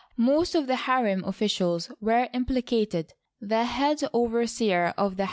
Most of the harem officials were implicated, the "head over seer of the.